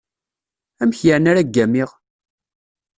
Amek yeεni ara ggamiɣ?